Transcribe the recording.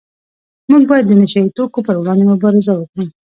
موږ باید د نشه یي توکو پروړاندې مبارزه وکړو